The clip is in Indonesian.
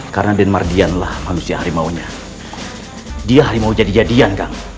karena denmark dian lah manusia harimau nya dia hari mau jadi jadian